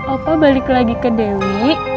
opa balik lagi ke dewi